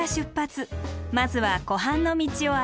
まずは湖畔の道を歩きます。